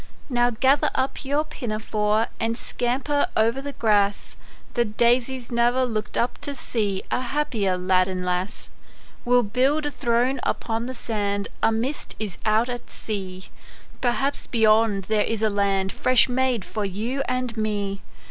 Now gather up your pinafore, And scamper o'er the grass ; The daisies ne'er looked up to see A happier lad arid lass. We'll build a throne upon the sand, A mist is out at sea ; Perhaps beyond there is a land Fresh made for you and me.